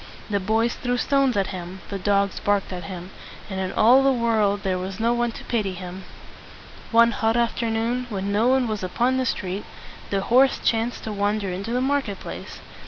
The boys threw stones at him, the dogs barked at him, and in all the world there was no one to pity him. One hot afternoon, when no one was upon the street, the horse chanced to wander into the market place.